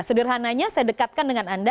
sederhananya saya dekatkan dengan anda